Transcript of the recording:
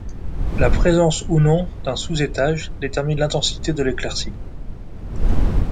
La présence ou non d’un sous-étage détermine l’intensité de l’éclaircie.